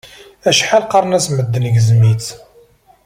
Acḥal qqaren-as medden gzem-itt.